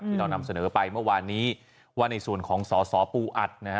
เรานำเสนอไปเมื่อวานนี้ว่าในส่วนของสสปูอัดนะฮะ